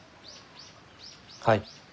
はい。